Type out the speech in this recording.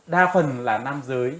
đa phần là nam giới